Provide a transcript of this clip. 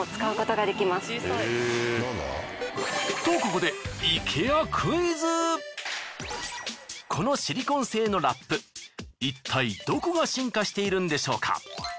とここでこのシリコン製のラップいったいどこが進化しているんでしょうか？